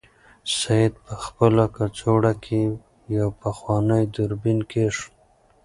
سعید په خپله کڅوړه کې یو پخوانی دوربین کېښود.